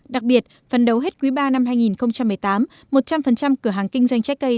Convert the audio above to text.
đặc biệt phần đầu hết quý ba năm hai nghìn một mươi tám một trăm linh cửa hàng kinh doanh trái cây